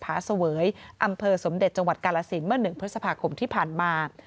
าเสวยอำเภอสมเด็จจังหวัดกาลสินเมื่อ๑พฤษภาคมที่ผ่านมา